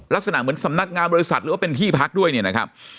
ลักษณะเหมือนสำนักงานบริษัทหรือว่าเป็นที่พักด้วยเนี่ยนะครับ